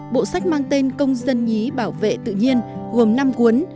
bộ sách mang tên công dân nhí bảo vệ tự nhiên gồm năm cuốn